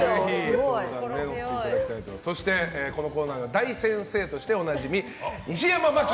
そして、このコーナーでは大先生としておなじみ西山茉希